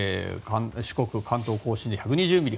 四国と関東・甲信で１２０ミリ